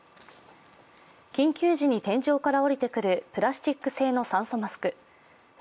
緊急時に天井から下りてくるプラスチック製の酸素マスク。